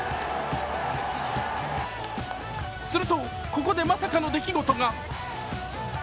すると、ここでまさかの出来事が。